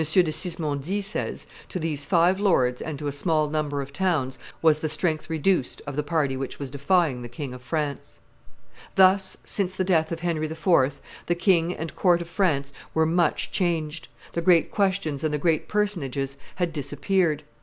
de Sismondi says, to these five lords and to a small number of towns was the strength reduced of the party which was defying the King of France. Thus, since the death of Henry IV., the king and court of France were much changed: the great questions and the great personages had disappeared.